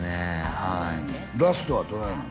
はいラストはどないなるの？